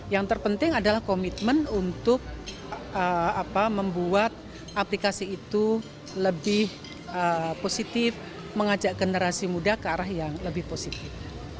yang terpenting adalah komitmen untuk membuat aplikasi itu lebih positif mengajak generasi muda ke arah yang lebih positif